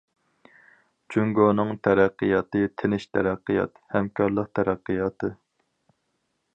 جۇڭگونىڭ تەرەققىياتى تىنچ تەرەققىيات، ھەمكارلىق تەرەققىياتى.